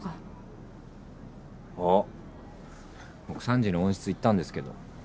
僕３時に温室行ったんですけど。